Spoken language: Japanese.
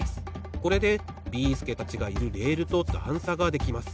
これでビーすけたちがいるレールとだんさができます。